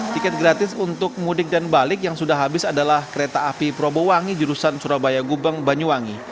tiket gratis untuk mudik dan balik yang sudah habis adalah kereta api probowangi jurusan surabaya gubeng banyuwangi